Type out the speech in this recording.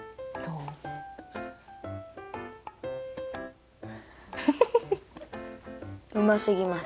うますぎます。